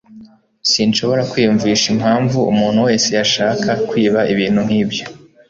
Sinshobora kwiyumvisha impamvu umuntu wese yashaka kwiba ibintu nkibyo